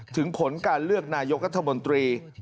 ถึงผลการเลือกนายกรัฐมนตรี